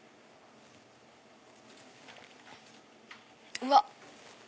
うわっ！